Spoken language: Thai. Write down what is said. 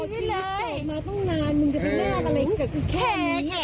ชีวิตออกมาต้องนานมึงจะเป็นแบบนี้แค่นี้แค่นี้กับเมียเก่า